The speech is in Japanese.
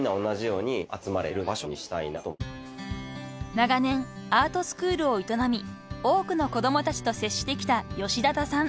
［長年アートスクールを営み多くの子供たちと接してきた］